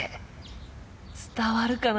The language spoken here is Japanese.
伝わるかな？